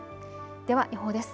では予報です。